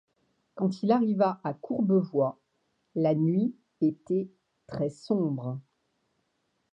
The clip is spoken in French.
Quand il arriva à Courbevoie, la nuit était très-sombre.